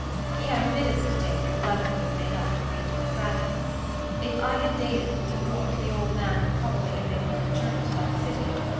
He had omitted this date in the letter he had made up to read to my grandmother. If I had dated from New York, the old man would probably have made another journey to that city.